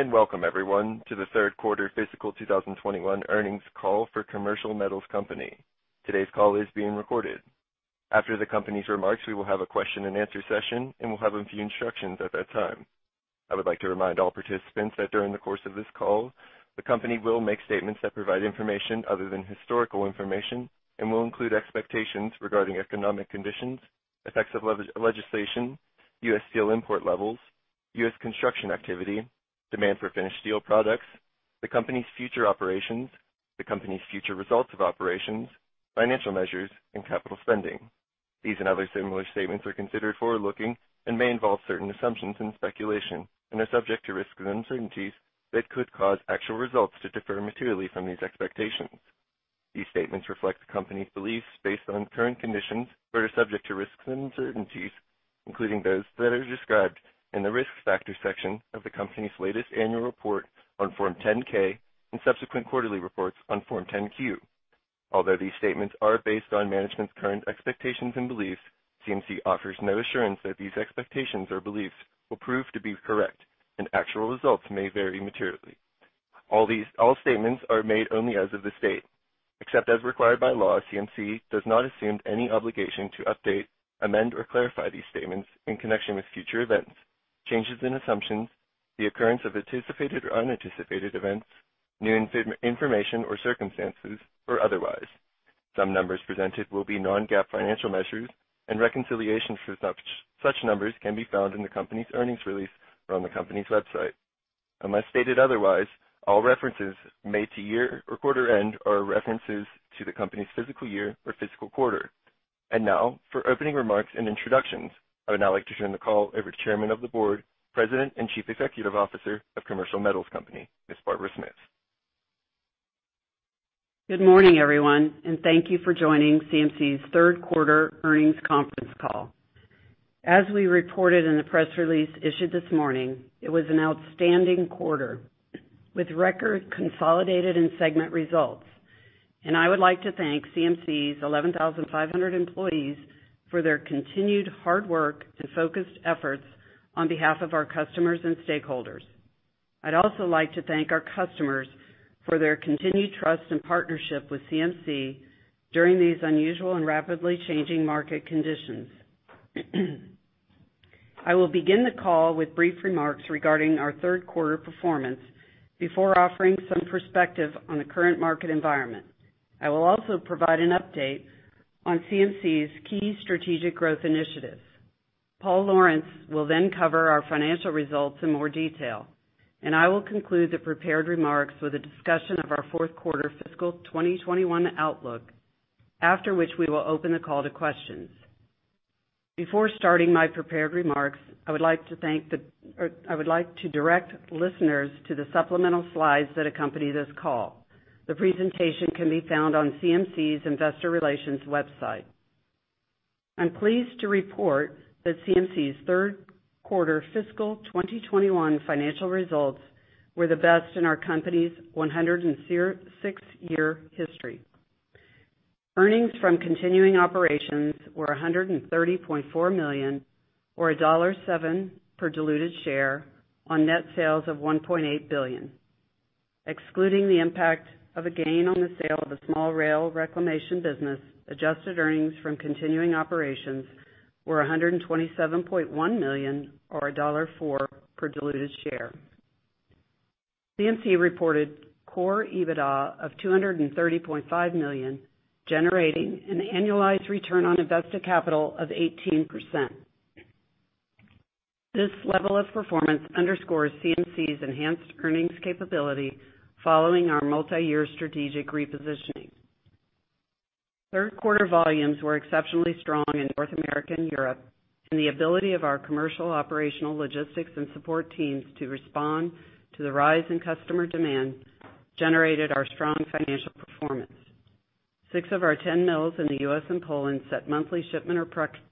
Hello, welcome everyone to the third quarter fiscal 2021 earnings call for Commercial Metals Company. Today's call is being recorded. After the company's remarks, we will have a question-and-answer session, and we'll have a few instructions at that time. I would like to remind all participants that during the course of this call, the company will make statements that provide information other than historical information and will include expectations regarding economic conditions, effects of legislation, U.S. steel import levels, U.S. construction activity, demand for finished steel products, the company's future operations, the company's future results of operations, financial measures, and capital spending. These and other similar statements are considered forward-looking and may involve certain assumptions and speculation, and are subject to risks and uncertainties that could cause actual results to differ materially from these expectations. These statements reflect the company's beliefs based on current conditions, but are subject to risks and uncertainties, including those that are described in the Risk Factors section of the company's latest annual report on Form 10-K and subsequent quarterly reports on Form 10-Q. Although these statements are based on management's current expectations and beliefs, CMC offers no assurance that these expectations or beliefs will prove to be correct, and actual results may vary materially. All statements are made only as of this date. Except as required by law, CMC does not assume any obligation to update, amend, or clarify these statements in connection with future events, changes in assumptions, the occurrence of anticipated or unanticipated events, new information or circumstances, or otherwise. Some numbers presented will be non-GAAP financial measures, and reconciliations to such numbers can be found in the company's earnings release or on the company's website. Unless stated otherwise, all references made to year or quarter end are references to the company's fiscal year or fiscal quarter. Now for opening remarks and introductions. I'd now like to turn the call over to Chairman of the Board, President, and Chief Executive Officer of Commercial Metals Company, Ms. Barbara Smith. Good morning, everyone, and thank you for joining CMC's third quarter earnings conference call. As we reported in the press release issued this morning, it was an outstanding quarter with record consolidated and segment results, and I would like to thank CMC's 11,500 employees for their continued hard work and focused efforts on behalf of our customers and stakeholders. I'd also like to thank our customers for their continued trust and partnership with CMC during these unusual and rapidly changing market conditions. I will begin the call with brief remarks regarding our third quarter performance before offering some perspective on the current market environment. I will also provide an update on CMC's key strategic growth initiatives. Paul Lawrence will then cover our financial results in more detail, and I will conclude the prepared remarks with a discussion of our fourth quarter fiscal 2021 outlook. After which, we will open the call to questions. Before starting my prepared remarks, I would like to direct listeners to the supplemental slides that accompany this call. The presentation can be found on CMC's investor relations website. I'm pleased to report that CMC's third quarter fiscal 2021 financial results were the best in our company's 106-year history. Earnings from continuing operations were $130.4 million, or $1.7 per diluted share on net sales of $1.8 billion. Excluding the impact of a gain on the sale of the small rail reclamation business, adjusted earnings from continuing operations were $127.1 million, or $1.4 per diluted share. CMC reported Core EBITDA of $230.5 million, generating an annualized return on invested capital of 18%. This level of performance underscores CMC's enhanced earnings capability following our multi-year strategic repositioning. Third quarter volumes were exceptionally strong in North America and Europe, and the ability of our commercial operational logistics and support teams to respond to the rise in customer demand generated our strong financial performance. Six of our 10 mills in the U.S. and Poland set monthly shipment or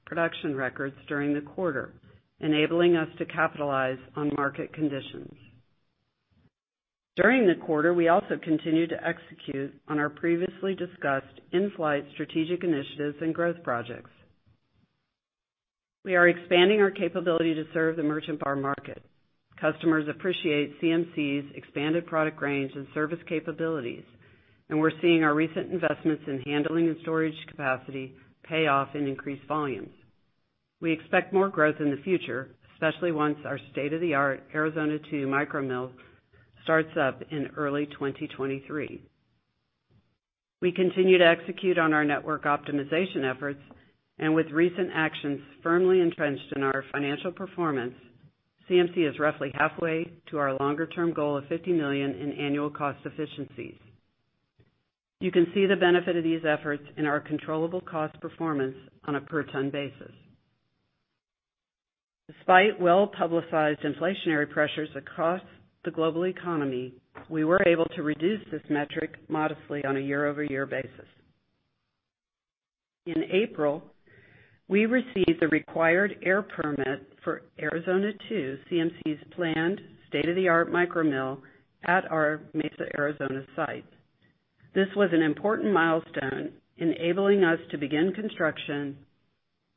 production records during the quarter, enabling us to capitalize on market conditions. During the quarter, we also continued to execute on our previously discussed in-flight strategic initiatives and growth projects. We are expanding our capability to serve the merchant bar market. Customers appreciate CMC's expanded product range and service capabilities, and we're seeing our recent investments in handling and storage capacity pay off in increased volumes. We expect more growth in the future, especially once our state-of-the-art Arizona 2 micro mill starts up in early 2023. We continue to execute on our network optimization efforts, and with recent actions firmly entrenched in our financial performance, CMC is roughly halfway to our longer-term goal of $50 million in annual cost efficiencies. You can see the benefit of these efforts in our controllable cost performance on a per ton basis. Despite well-publicized inflationary pressures across the global economy, we were able to reduce this metric modestly on a year-over-year basis. In April, we received the required air permit for Arizona 2, CMC's planned state-of-the-art micro mill at our Mesa, Arizona site. This was an important milestone, enabling us to begin construction.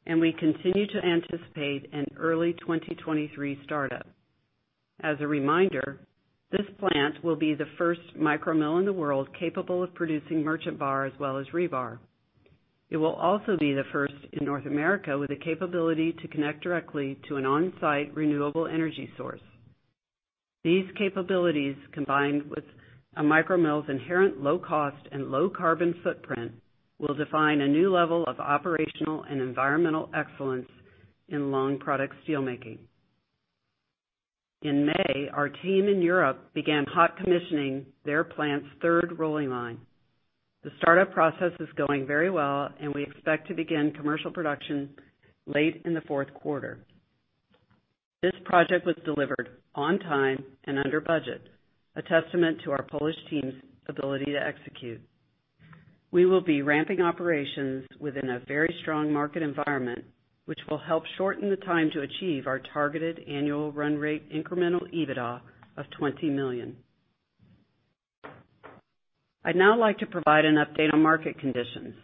We continue to anticipate an early 2023 startup. As a reminder, this plant will be the first micro mill in the world capable of producing merchant bar as well as rebar. It will also be the first in North America with the capability to connect directly to an on-site renewable energy source. These capabilities, combined with a micro mill's inherent low cost and low carbon footprint, will define a new level of operational and environmental excellence in long product steelmaking. In May, our team in Europe began hot commissioning their plant's third rolling line. The startup process is going very well, and we expect to begin commercial production late in the fourth quarter. This project was delivered on time and under budget, a testament to our Polish team's ability to execute. We will be ramping operations within a very strong market environment, which will help shorten the time to achieve our targeted annual run rate incremental EBITDA of $20 million. I'd now like to provide an update on market conditions.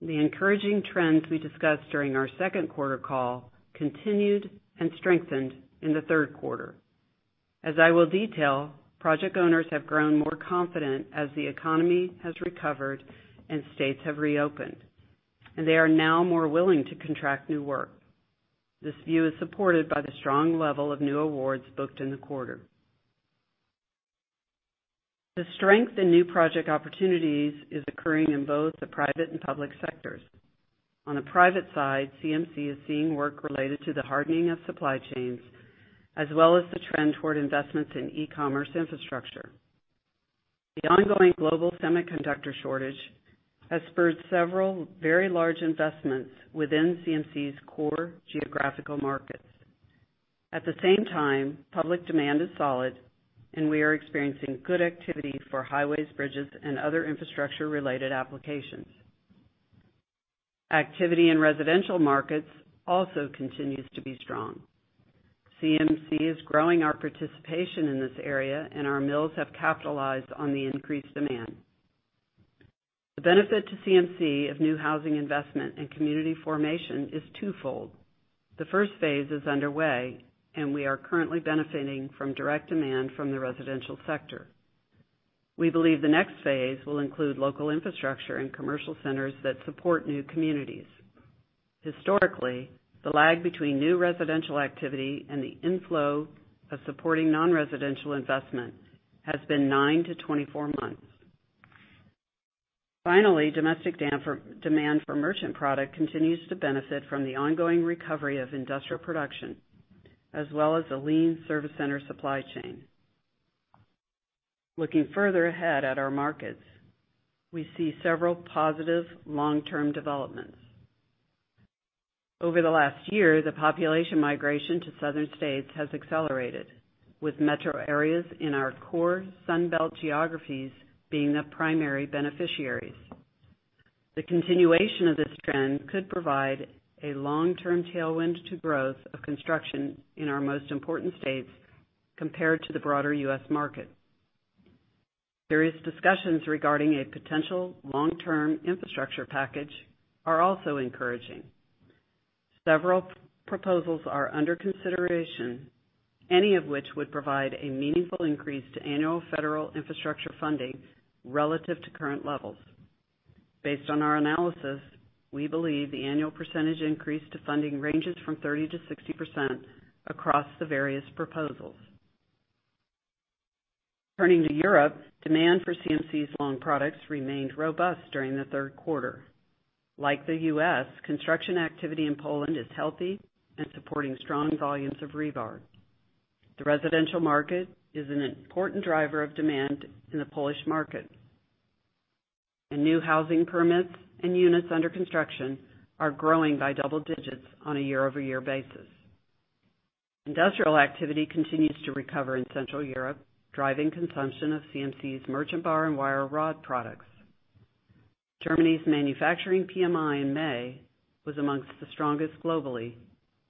The encouraging trends we discussed during our second quarter call continued and strengthened in the third quarter. As I will detail, project owners have grown more confident as the economy has recovered and states have reopened, and they are now more willing to contract new work. This view is supported by the strong level of new awards booked in the quarter. The strength in new project opportunities is occurring in both the private and public sectors. On the private side, CMC is seeing work related to the hardening of supply chains, as well as the trend toward investments in e-commerce infrastructure. The ongoing global semiconductor shortage has spurred several very large investments within CMC's core geographical markets. At the same time, public demand is solid, and we are experiencing good activity for highways, bridges, and other infrastructure-related applications. Activity in residential markets also continues to be strong. CMC is growing our participation in this area, and our mills have capitalized on the increased demand. The benefit to CMC of new housing investment and community formation is twofold. The first phase is underway, and we are currently benefiting from direct demand from the residential sector. We believe the next phase will include local infrastructure and commercial centers that support new communities. Historically, the lag between new residential activity and the inflow of supporting non-residential investment has been 9-24 months. Finally, domestic demand for merchant bar continues to benefit from the ongoing recovery of industrial production, as well as a lean service center supply chain. Looking further ahead at our markets, we see several positive long-term developments. Over the last year, the population migration to southern states has accelerated, with metro areas in our core Sun Belt geographies being the primary beneficiaries. The continuation of this trend could provide a long-term tailwind to growth of construction in our most important states compared to the broader U.S. market. Various discussions regarding a potential long-term infrastructure package are also encouraging. Several proposals are under consideration, any of which would provide a meaningful increase to annual federal infrastructure funding relative to current levels. Based on our analysis, we believe the annual percentage increase to funding ranges from 30%-60% across the various proposals. Turning to Europe, demand for CMC's long products remained robust during the third quarter. Like the U.S., construction activity in Poland is healthy and supporting strong volumes of rebar. The residential market is an important driver of demand in the Polish market. New housing permits and units under construction are growing by double digits on a year-over-year basis. Industrial activity continues to recover in Central Europe, driving consumption of CMC's merchant bar and wire rod products. Germany's manufacturing PMI in May was amongst the strongest globally,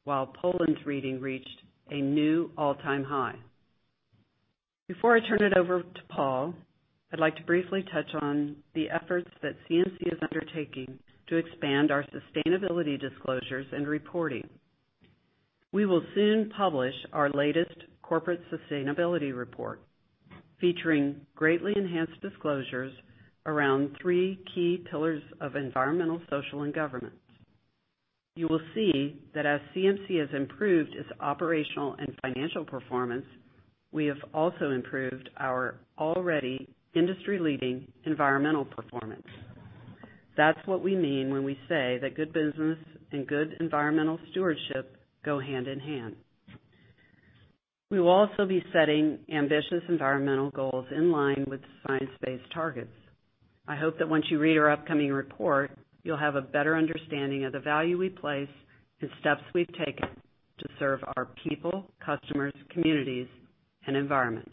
while Poland's reading reached a new all-time high. Before I turn it over to Paul, I'd like to briefly touch on the efforts that CMC is undertaking to expand our sustainability disclosures and reporting. We will soon publish our latest corporate sustainability report, featuring greatly enhanced disclosures around three key pillars of environmental, social, and governance. You will see that as CMC has improved its operational and financial performance, we have also improved our already industry-leading environmental performance. That's what we mean when we say that good business and good environmental stewardship go hand in hand. We will also be setting ambitious environmental goals in line with science-based targets. I hope that once you read our upcoming report, you'll have a better understanding of the value we place and steps we've taken to serve our people, customers, communities, and environment.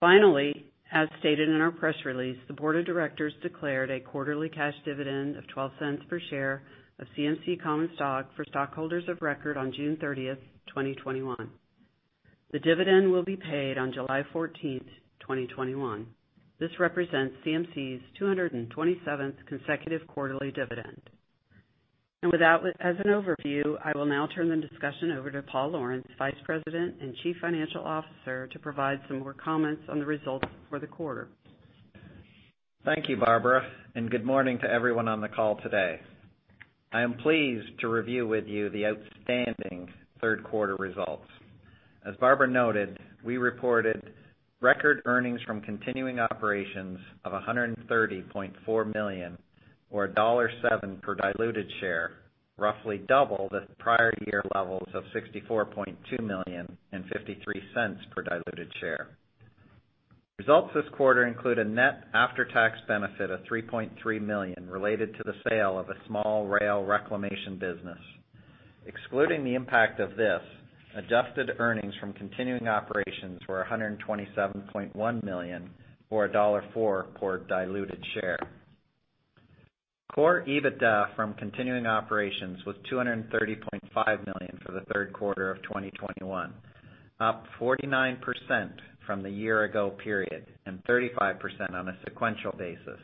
Finally, as stated in our press release, the Board of Directors declared a quarterly cash dividend of $0.12 per share of CMC common stock for stockholders of record on June 30th, 2021. The dividend will be paid on July 14th, 2021. This represents CMC's 227th consecutive quarterly dividend. With that as an overview, I will now turn the discussion over to Paul Lawrence, Vice President and Chief Financial Officer, to provide some more comments on the results for the quarter. Thank you, Barbara, good morning to everyone on the call today. I am pleased to review with you the outstanding third quarter results. As Barbara noted, we reported record earnings from continuing operations of $130.4 million or $1.7 per diluted share, roughly double the prior year levels of $64.2 million and $0.53 per diluted share. Results this quarter include a net after-tax benefit of $3.3 million related to the sale of a small rail reclamation business. Excluding the impact of this, adjusted earnings from continuing operations were $127.1 million or $1.4 per diluted share. core EBITDA from continuing operations was $230.5 million for the third quarter of 2021, up 49% from the year ago period and 35% on a sequential basis.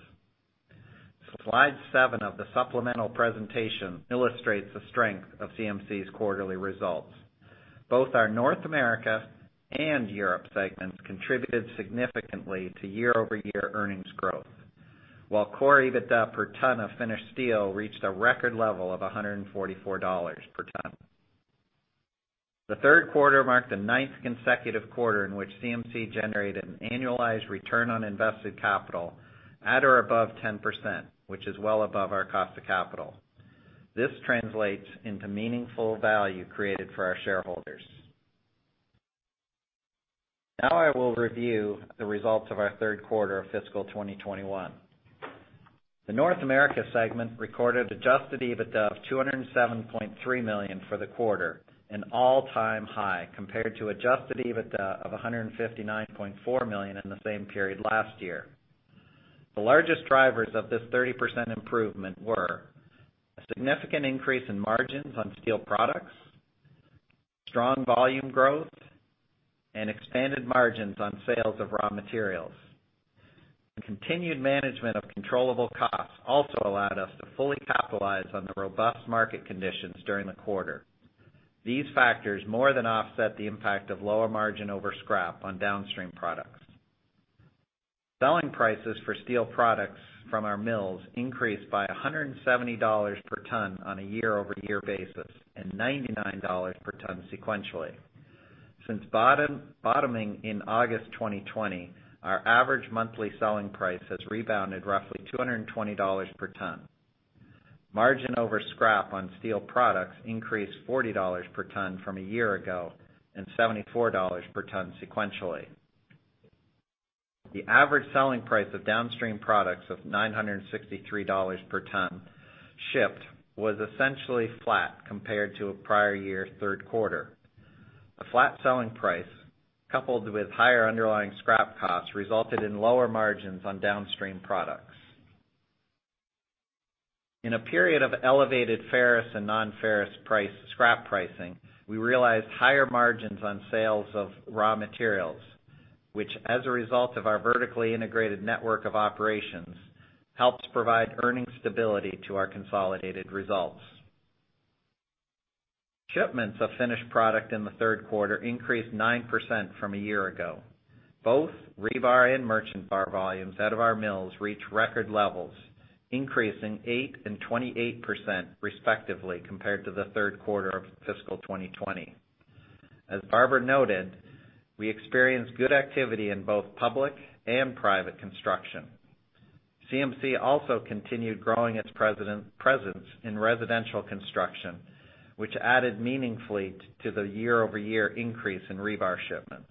Slide seven of the supplemental presentation illustrates the strength of CMC's quarterly results. Both our North America and Europe segments contributed significantly to year-over-year earnings growth, while core EBITDA per ton of finished steel reached a record level of $144 per ton. The ninth consecutive quarter in which CMC generated an annualized return on invested capital at or above 10%, which is well above our cost of capital. This translates into meaningful value created for our shareholders. Now I will review the results of our third quarter of Fiscal 2021. The North America segment recorded adjusted EBITDA of $207.3 million for the quarter, an all-time high compared to adjusted EBITDA of $159.4 million in the same period last year. The largest drivers of this 30% improvement were a significant increase in margins on steel products, strong volume growth, and expanded margins on sales of raw materials. Continued management of controllable costs also allowed us to fully capitalize on the robust market conditions during the quarter. These factors more than offset the impact of lower margin over scrap on downstream products. Selling prices for steel products from our mills increased by $170 per ton on a year-over-year basis and $99 per ton sequentially. Since bottoming in August 2020, our average monthly selling price has rebounded roughly $220 per ton. Margin over scrap on steel products increased $40 per ton from a year ago and $74 per ton sequentially. The average selling price of downstream products of $963 per ton shipped was essentially flat compared to a prior year third quarter. A flat selling price, coupled with higher underlying scrap costs, resulted in lower margins on downstream products. In a period of elevated ferrous and non-ferrous scrap pricing, we realized higher margins on sales of raw materials, which as a result of our vertically integrated network of operations, helps provide earning stability to our consolidated results. Shipments of finished product in the third quarter increased 9% from a year ago. Both rebar and merchant bar volumes out of our mills reached record levels, increasing 8% and 28% respectively compared to the third quarter of Fiscal 2020. As Barbara noted, we experienced good activity in both public and private construction. CMC also continued growing its presence in residential construction, which added meaningfully to the year-over-year increase in rebar shipments.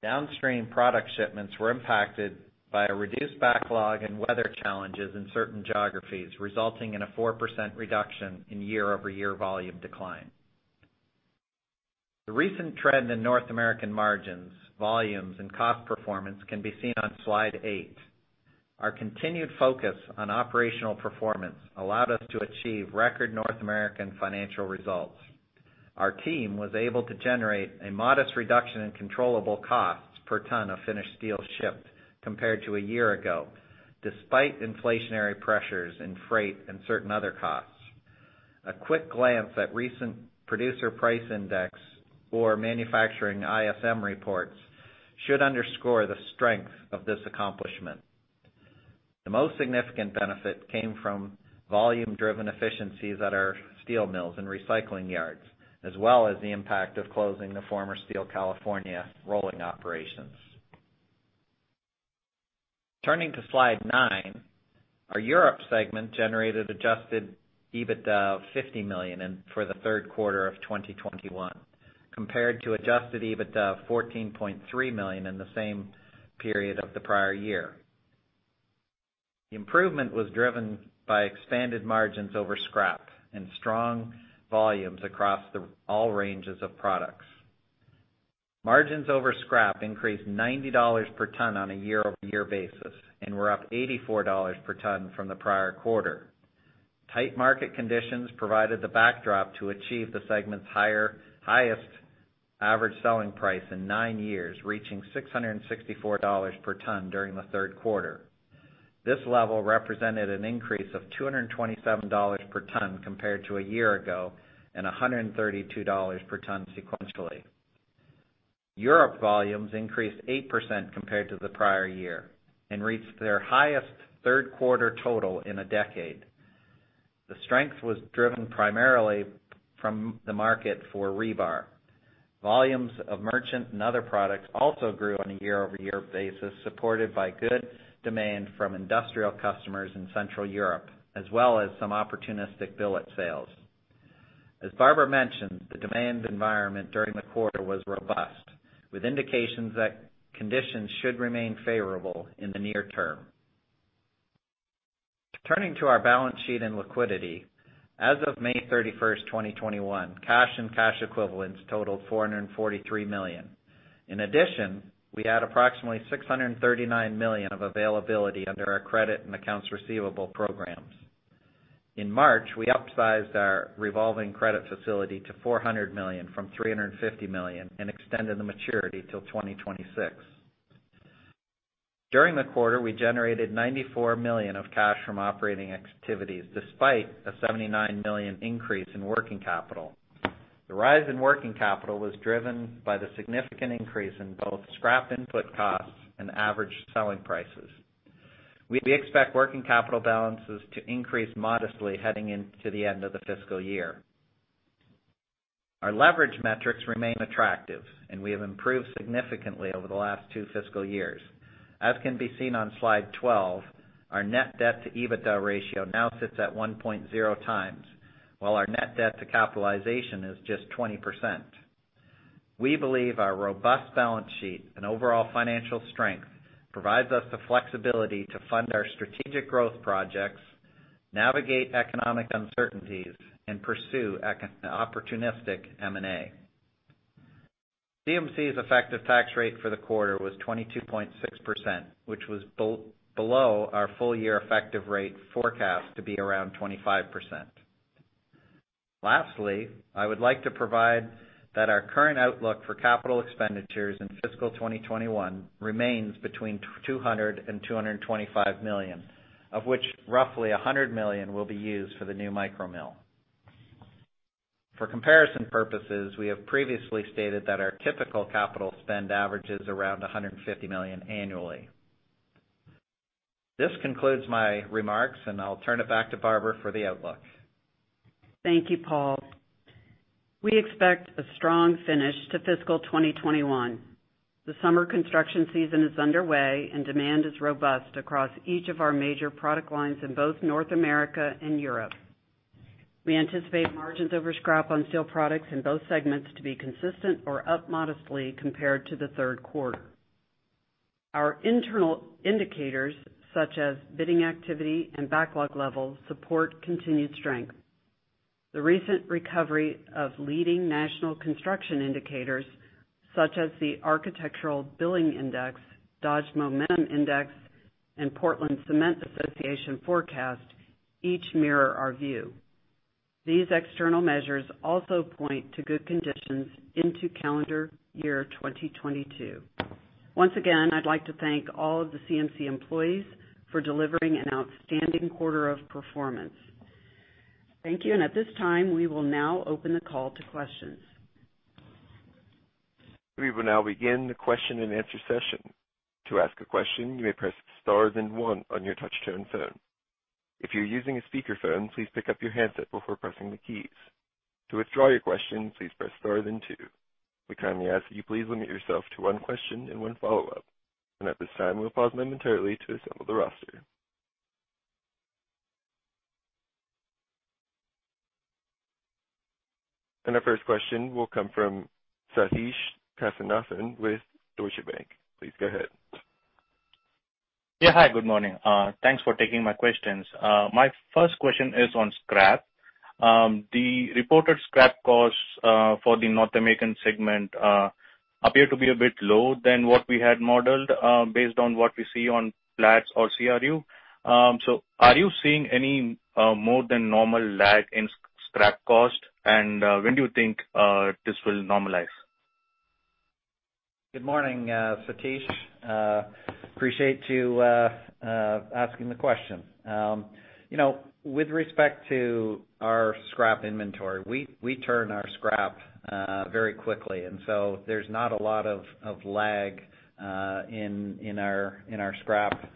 Downstream products shipments were impacted by a reduced backlog and weather challenges in certain geographies, resulting in a 4% reduction in year-over-year volume decline. The recent trend in North American margins, volumes, and cost performance can be seen on Slide eight. Our continued focus on operational performance allowed us to achieve record North American financial results. Our team was able to generate a modest reduction in controllable costs per ton of finished steel shipped compared to a year ago, despite inflationary pressures in freight and certain other costs. A quick glance at recent Producer Price Index or manufacturing ISM reports should underscore the strength of this accomplishment. The most significant benefit came from volume-driven efficiencies at our steel mills and recycling yards, as well as the impact of closing the former Steel California rolling operations. Turning to slide nine, our Europe segment generated adjusted EBITDA of $50 million for the third quarter of 2021, compared to adjusted EBITDA of $14.3 million in the same period of the prior year. The improvement was driven by expanded margins over scrap and strong volumes across all ranges of products. Margins over scrap increased $90 per ton on a year-over-year basis and were up $84 per ton from the prior quarter. Tight market conditions provided the backdrop to achieve the segment's highest average selling price in nine years, reaching $664 per ton during the third quarter. This level represented an increase of $227 per ton compared to a year ago, and $132 per ton sequentially. Europe volumes increased 8% compared to the prior year and reached their highest third quarter total in a decade. The strength was driven primarily from the market for rebar. Volumes of merchant and other products also grew on a year-over-year basis, supported by good demand from industrial customers in Central Europe, as well as some opportunistic billet sales. As Barbara mentioned, the demand environment during the quarter was robust, with indications that conditions should remain favorable in the near-term. Turning to our balance sheet and liquidity, as of May 31st, 2021, cash and cash equivalents totaled $443 million. In addition, we had approximately $639 million of availability under our credit and accounts receivable programs. In March, we upsized our revolving credit facility to $400 million from $350 million and extended the maturity till 2026. During the quarter, we generated $94 million of cash from operating activities, despite a $79 million increase in working capital. The rise in working capital was driven by the significant increase in both scrap input costs and average selling prices. We expect working capital balances to increase modestly heading into the end of the fiscal year. Our leverage metrics remain attractive, and we have improved significantly over the last two fiscal years. As can be seen on Slide 12, our net debt-to-EBITDA ratio now sits at 1.0x, while our net debt to capitalization is just 20%. We believe our robust balance sheet and overall financial strength provides us the flexibility to fund our strategic growth projects, navigate economic uncertainties, and pursue opportunistic M&A. CMC's effective tax rate for the quarter was 22.6%, which was below our full-year effective rate forecast to be around 25%. Lastly, I would like to provide that our current outlook for capital expenditures in fiscal 2021 remains between $200 million and $225 million, of which roughly $100 million will be used for the new micro mill. For comparison purposes, we have previously stated that our typical capital spend averages around $150 million annually. This concludes my remarks, and I'll turn it back to Barbara for the outlook. Thank you, Paul. We expect a strong finish to fiscal 2021. The summer construction season is underway, demand is robust across each of our major product lines in both North America and Europe. We anticipate margins over scrap on steel products in both segments to be consistent or up modestly compared to the third quarter. Our internal indicators, such as bidding activity and backlog levels, support continued strength. The recent recovery of leading national construction indicators, such as the Architectural Billings Index, Dodge Momentum Index, and Portland Cement Association forecast, each mirror our view. These external measures also point to good conditions into calendar year 2022. Once again, I'd like to thank all of the CMC employees for delivering an outstanding quarter of performance. Thank you, at this time, we will now open the call to questions. We will now begin the question-and-answer session. To ask a question, you may press star then one on your touch tone phone. If you're using a speakerphone, please pick up your handset before pressing the keys. To withdraw your question, please press star then two. We kindly ask that you please limit yourself to one question and one follow up, and at this time we'll pause momentarily to assemble the roster. Our first question will come from Sathish Kasinathan with Deutsche Bank. Please go ahead. Yeah. Hi, good morning. Thanks for taking my questions. My first question is on scrap. The reported scrap costs for the North American segment appear to be a bit low than what we had modeled based on what we see on Platts or CRU. Are you seeing any more than normal lag in scrap cost? When do you think this will normalize? Good morning Sathish. Appreciate you asking the question. With respect to our scrap inventory, we turn our scrap very quickly, and so there's not a lot of lag in our scrap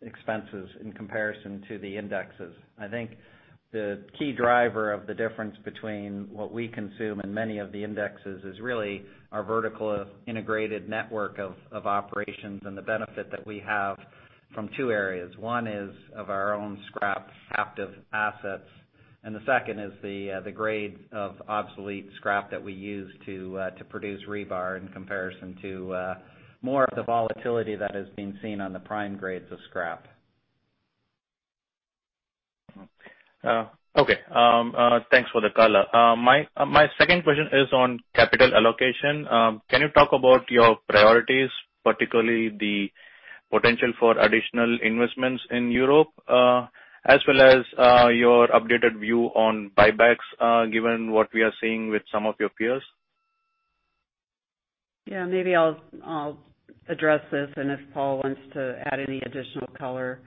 expenses in comparison to the indexes. I think the key driver of the difference between what we consume and many of the indexes is really our vertical integrated network of operations and the benefit that we have from two areas. One is of our own scrap captive assets, and the second is the grade of obsolete scrap that we use to produce rebar in comparison to more of the volatility that has been seen on the prime grades of scrap. Okay. Thanks for the color. My second question is on capital allocation. Can you talk about your priorities, particularly the potential for additional investments in Europe, as well as your updated view on buybacks, given what we are seeing with some of your peers? Yeah, maybe I'll address this and if Paul wants to add any additional color.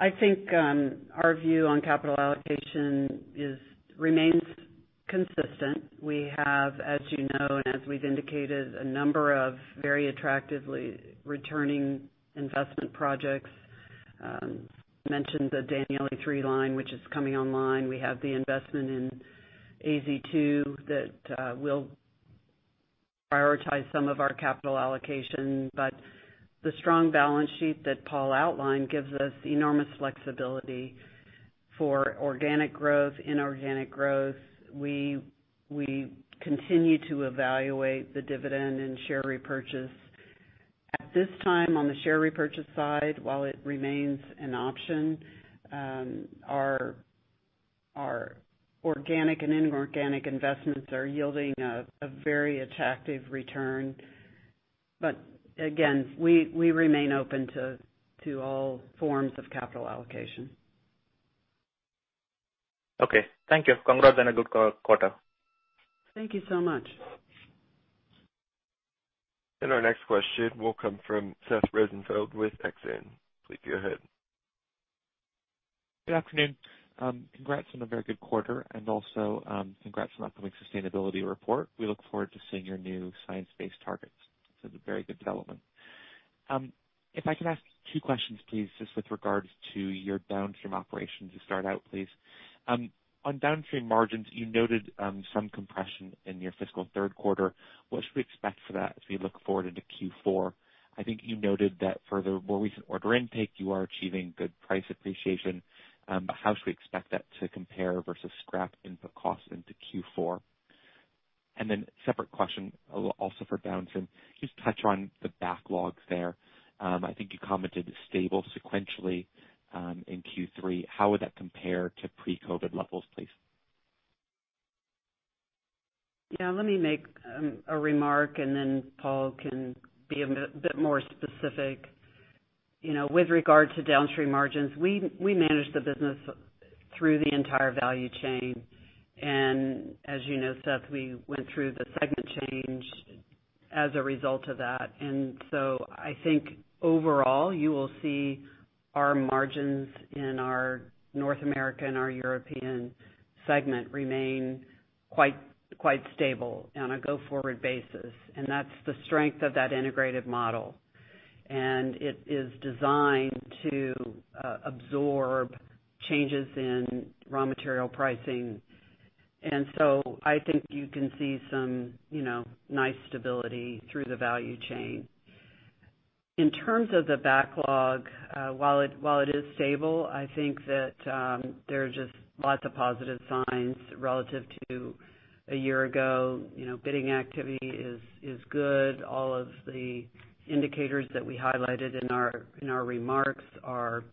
I think our view on capital allocation remains consistent. We have, as you know, and as we've indicated, a number of very attractively returning investment projects. Mentioned the Danieli 3 line, which is coming online. We have the investment in AZ2 that will prioritize some of our capital allocation. The strong balance sheet that Paul outlined gives us enormous flexibility for organic growth, inorganic growth. We continue to evaluate the dividend and share repurchase. At this time, on the share repurchase side, while it remains an option, our organic and inorganic investments are yielding a very attractive return. Again, we remain open to all forms of capital allocation. Okay, thank you. Congratulations on a good quarter. Thank you so much. Our next question will come from Seth Rosenfeld with Exane. Please go ahead. Good afternoon. Congrats on a very good quarter and also congrats on the sustainability report. We look forward to seeing your new science-based targets. It's a very good development. If I could ask two questions, please, just with regards to your downstream operations to start out, please. On downstream margins, you noted some compression in your fiscal third quarter. What should we expect for that as we look forward into Q4? I think you noted that for the more recent order intake, you are achieving good price appreciation. How should we expect that to compare versus scrap input cost into Q4? Separate question also for downstream. Can you just touch on the backlogs there? I think you commented it's stable sequentially, in Q3. How would that compare to pre-COVID levels, please? Yeah, let me make a remark and then Paul can be a bit more specific. With regard to downstream margins, we manage the business through the entire value chain. As you know, Seth, we went through the segment change as a result of that. I think overall, you will see our margins in our North American and our European segment remain quite stable on a go-forward basis, and that's the strength of that integrated model. It is designed to absorb changes in raw material pricing. I think you can see some nice stability through the value chain. In terms of the backlog, while it is stable, I think that there are just lots of positive signs relative to a year ago. Bidding activity is good. All of the indicators that we highlighted in our remarks are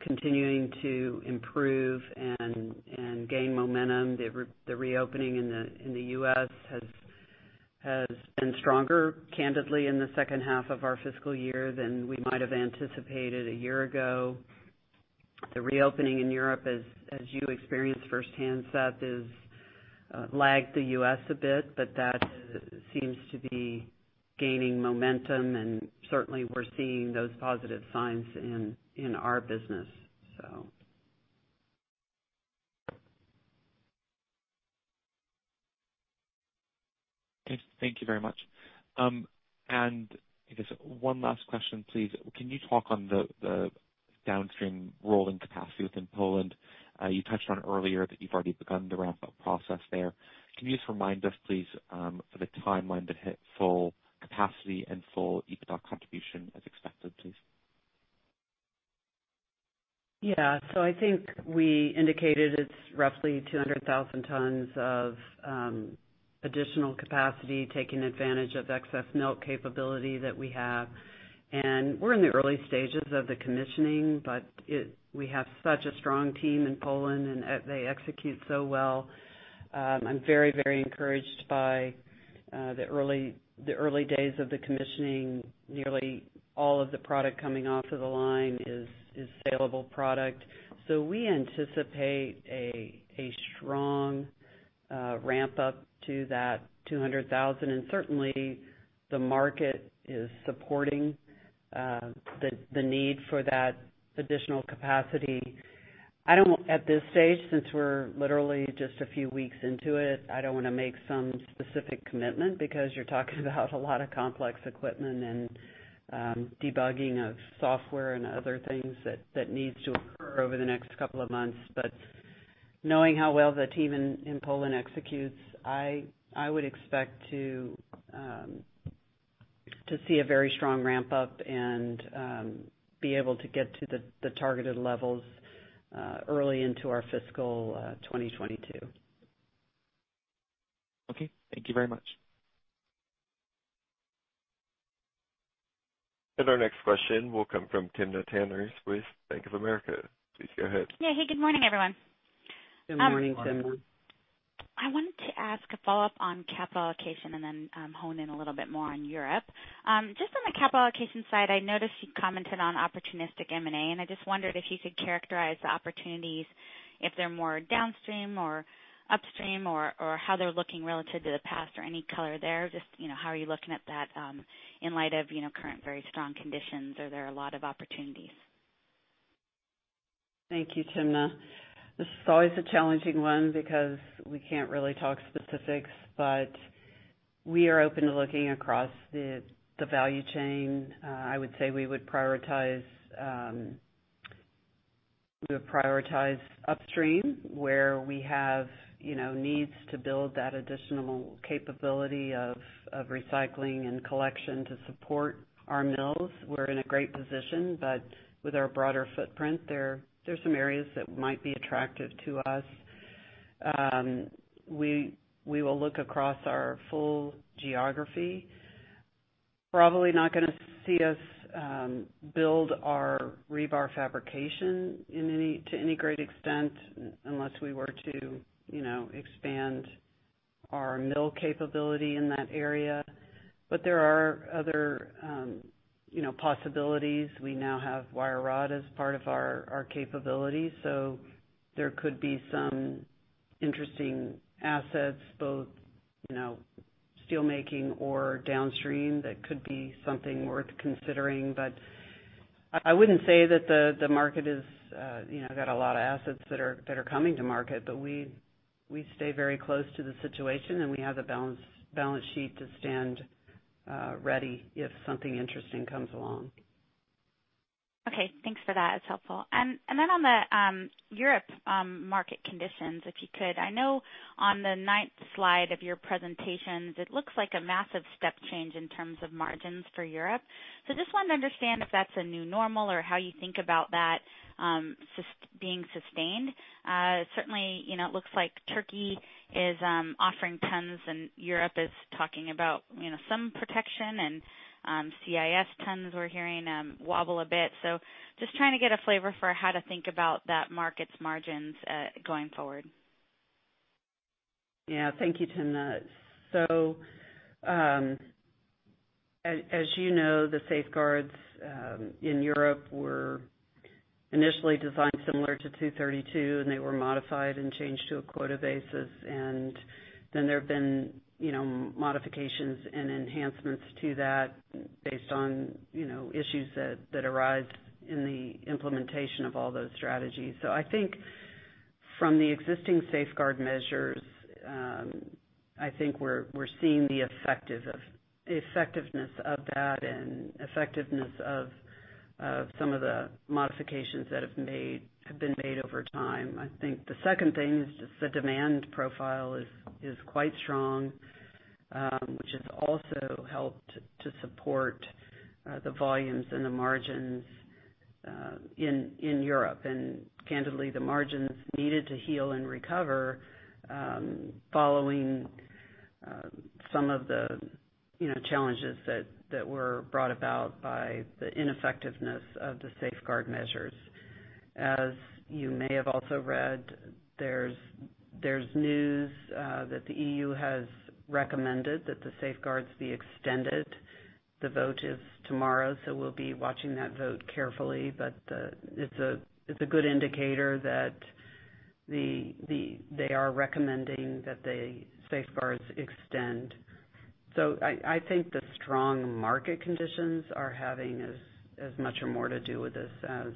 continuing to improve and gain momentum. The reopening in the U.S. has been stronger, candidly, in the second half of our fiscal year than we might have anticipated a year ago. The reopening in Europe, as you experienced firsthand, Seth, has lagged the U.S. a bit, that seems to be gaining momentum, and certainly, we're seeing those positive signs in our business. Thank you very much. I guess one last question, please. Can you talk on the downstream rolling capacity within Poland? You touched on it earlier that you've already begun the ramp-up process there. Can you just remind us, please, of the timeline to hit full capacity and full EBITDA contribution as expected, please? Yeah. I think we indicated it's roughly 200,000 tons of additional capacity, taking advantage of excess melt capability that we have. We're in the early stages of the commissioning, but we have such a strong team in Poland, and they execute so well. I'm very encouraged by the early days of the commissioning. Nearly all of the product coming off of the line is sellable product. We anticipate a strong ramp-up to that 200,000, and certainly, the market is supporting the need for that additional capacity. At this stage, since we're literally just a few weeks into it, I don't want to make some specific commitment because you're talking about a lot of complex equipment and debugging of software and other things that needs to occur over the next couple of months. Knowing how well the team in Poland executes, I would expect to see a very strong ramp-up and be able to get to the targeted levels early into our Fiscal 2022. Okay. Thank you very much. Our next question will come from Timna Tanners with Bank of America. Please go ahead. Yeah. Hey, good morning, everyone. Good morning, Timna. I wanted to ask a follow-up on capital allocation and then hone in a little bit more on Europe. Just on the capital allocation side, I noticed you commented on opportunistic M&A, and I just wondered if you could characterize the opportunities, if they're more downstream or upstream, or how they're looking relative to the past or any color there. Just how are you looking at that in light of your current very strong conditions? Are there a lot of opportunities? Thank you, Timna. This is always a challenging one because we can't really talk specifics, but we are open to looking across the value chain. I would say we would prioritize upstream where we have needs to build that additional capability of recycling and collection to support our mills. We're in a great position, but with our broader footprint there's some areas that might be attractive to us. We will look across our full geography. Probably not going to see us build our rebar fabrication to any great extent unless we were to expand our mill capability in that area. There are other possibilities. We now have wire rod as part of our capability, so there could be some interesting assets, both steel making or downstream, that could be something worth considering. I wouldn't say that the market has got a lot of assets that are coming to market. We stay very close to the situation, and we have a balance sheet to stand ready if something interesting comes along. Okay, thanks for that. It's helpful. On the Europe market conditions, if you could, I know on the ninth slide of your presentations, it looks like a massive step change in terms of margins for Europe. Just want to understand if that's a new normal or how you think about that being sustained. Certainly, it looks like Turkey is offering tons and Europe is talking about some protection and CIS tons we're hearing wobble a bit. Just trying to get a flavor for how to think about that market's margins going forward. Yeah, thank you, Timna. As you know, the safeguards in Europe were initially designed similar to 232, and they were modified and changed to a quota basis, and then there have been modifications and enhancements to that based on issues that arise in the implementation of all those strategies. I think from the existing safeguard measures, I think we're seeing the effectiveness of that and effectiveness of some of the modifications that have been made over time. I think the second thing is the demand profile is quite strong, which has also helped to support the volumes and the margins in Europe, and candidly, the margins needed to heal and recover following some of the challenges that were brought about by the ineffectiveness of the safeguard measures. As you may have also read, there's news that the EU has recommended that the safeguards be extended. The vote is tomorrow. We'll be watching that vote carefully. It's a good indicator that they are recommending that the safeguards extend. I think the strong market conditions are having as much or more to do with this as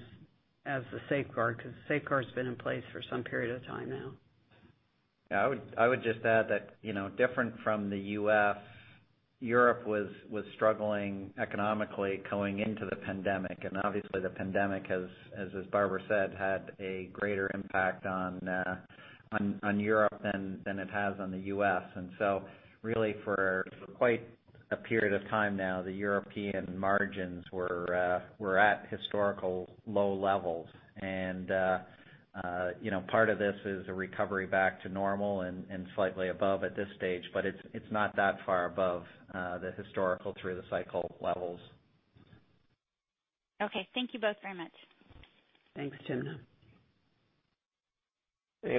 the safeguard, because the safeguard's been in place for some period of time now. I would just add that different from the U.S., Europe was struggling economically going into the pandemic. Obviously the pandemic has, as Barbara said, had a greater impact on Europe than it has on the U.S. Really for quite a period of time now, the European margins were at historical low levels. Part of this is a recovery back to normal and slightly above at this stage, but it's not that far above the historical through-the-cycle levels. Okay. Thank you both very much. Thanks, Timna.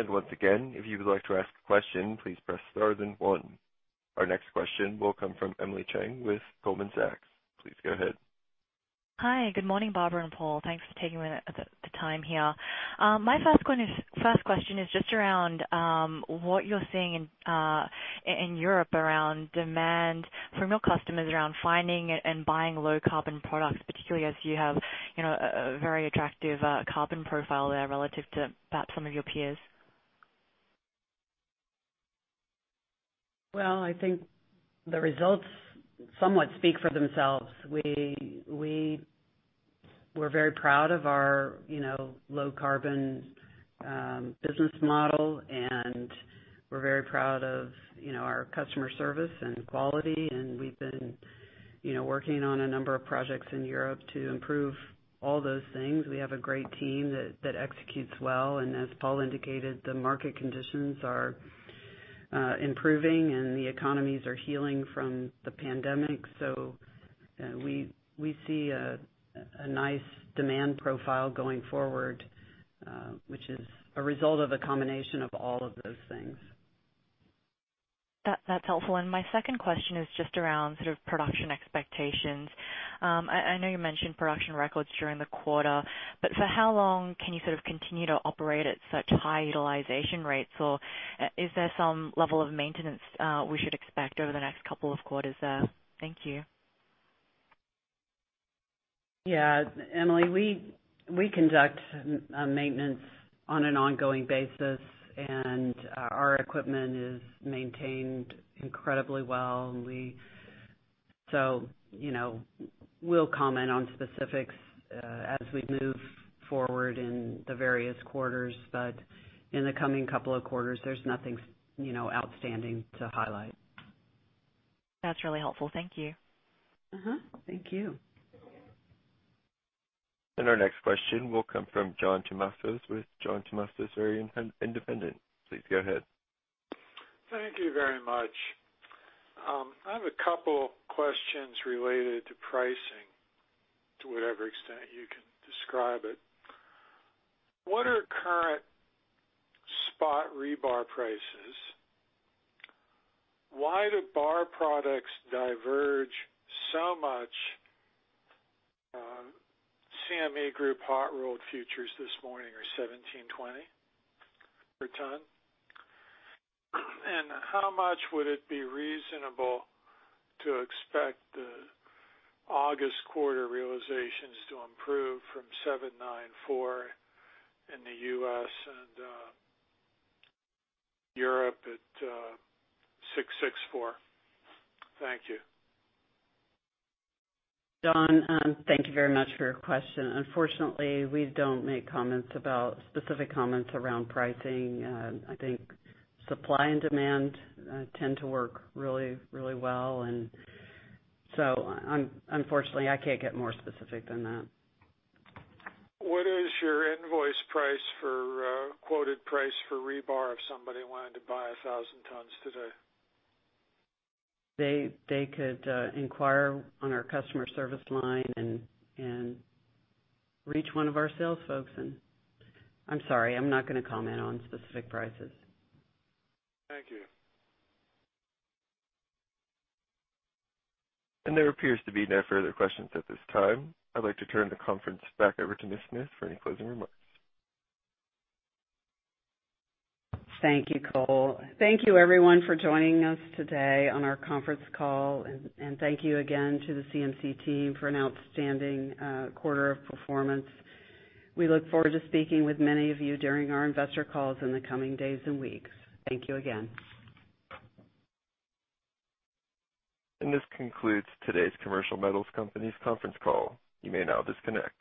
Once again, if you would like to ask a question, please press star then one. Our next question will come from Emily Chieng with Goldman Sachs. Please go ahead. Hi, good morning, Barbara and Paul. Thanks for taking the time here. My first question is just around what you're seeing in Europe around demand from your customers around finding and buying low carbon products, particularly as you have a very attractive carbon profile there relative to perhaps some of your peers. Well, I think the results somewhat speak for themselves. We're very proud of our low carbon business model, and we're very proud of our customer service and quality. We've been working on a number of projects in Europe to improve all those things. We have a great team that executes well, and as Paul indicated, the market conditions are improving and the economies are healing from the pandemic. We see a nice demand profile going forward, which is a result of the combination of all of those things. That's helpful. My second question is just around production expectations. I know you mentioned production records during the quarter, but for how long can you continue to operate at such high utilization rates? Is there some level of maintenance we should expect over the next couple of quarters there? Thank you. Yeah. Emily, we conduct maintenance on an ongoing basis, and our equipment is maintained incredibly well. We'll comment on specifics as we move forward in the various quarters, but in the coming couple of quarters, there's nothing outstanding to highlight. That's really helpful. Thank you. Thank you. Our next question will come from John Tumazos with John Tumazos Very Independent Research. Please go ahead. Thank you very much. I have a couple questions related to pricing, to whatever extent you can describe it. What are current spot rebar prices? Why do bar products diverge so much? CME Group hot roll futures this morning are $1,720 per ton. How much would it be reasonable to expect the August quarter realizations to improve from $794 in the U.S. and Europe at $664? Thank you. John, thank you very much for your question. Unfortunately, we don't make specific comments around pricing. I think supply and demand tend to work really well, unfortunately, I can't get more specific than that. What is your invoice price for a quoted price for rebar if somebody wanted to buy 1,000 tons today? They could inquire on our customer service line and reach one of our sales folks. I'm sorry, I'm not going to comment on specific prices. Thank you. There appears to be no further questions at this time. I'd like to turn the conference back over to Ms. Smith for any closing remarks. Thank you, Cole. Thank you everyone for joining us today on our conference call, and thank you again to the CMC team for an outstanding quarter of performance. We look forward to speaking with many of you during our investor calls in the coming days and weeks. Thank you again. This concludes today's Commercial Metals Company's conference call. You may now disconnect.